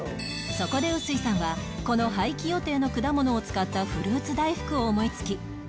そこで薄井さんはこの廃棄予定の果物を使ったフルーツ大福を思いつき